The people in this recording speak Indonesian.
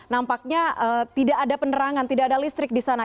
nampaknya tidak ada penerangan tidak ada listrik di sana